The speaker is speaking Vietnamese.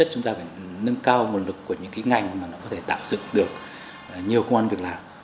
chúng ta phải nâng cao nguồn lực của những cái ngành mà nó có thể tạo dựng được nhiều công an việc làm